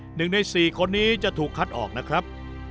หนึ่งในสี่คนนี้จะถูกคัดออกนะครับ